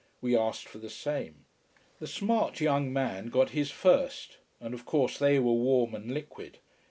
We asked for the same. The smart young man got his first and of course they were warm and liquid.